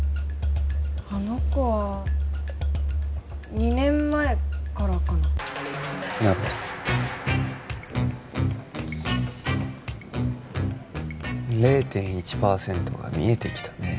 あの子は２年前からかななるほど０．１％が見えてきたねえ